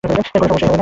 কোন সমস্যাই হবে না।